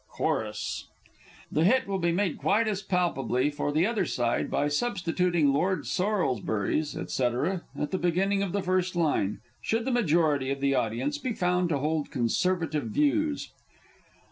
(Chorus.) (The hit will be made quite as palpably for the other side by substituting "Lord Sorlsbury's," _&c., at the beginning of the first line, should the majority of the audience be found to hold Conservative views.